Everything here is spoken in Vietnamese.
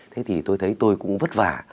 thế thì tôi thấy tôi cũng vất vả